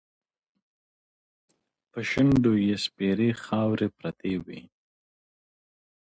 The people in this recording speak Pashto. په شونډو یې سپېرې خاوې پرتې وې.